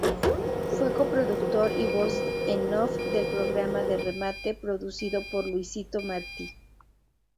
Fue coproductor y voz en off del programa "De Remate", producido por Luisito Martí.